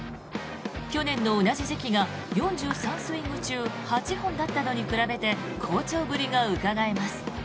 去年の同じ時期が４３スイング中８本だったのに比べて好調ぶりがうかがえます。